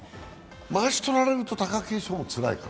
まわし取られると貴景勝もつらいかな？